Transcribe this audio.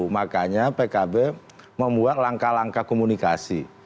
makanya pkb membuat langkah langkah komunikasi